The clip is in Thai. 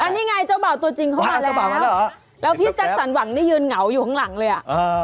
อันนี้ไงเจ้าบ่าวตัวจริงเข้ามาแล้วแล้วพี่แจ๊กสันหวังเนี่ยยืนเหงาอยู่ข้างหลังเลยอ่ะ